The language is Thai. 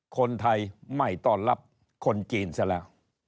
คนไทยไม่ต้อนรับคนจีนซะแล้ว